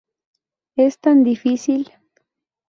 Es tan difícil".